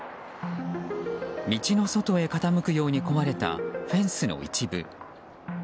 道の外へ傾くように壊れたフェンスの一部。